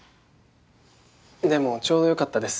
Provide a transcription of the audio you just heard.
でもちょうどよかったです。